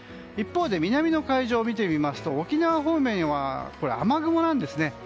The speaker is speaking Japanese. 一方で南の海上を見てみますと沖縄方面は雨雲なんですね。